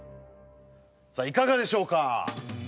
さあいかがでしょうか？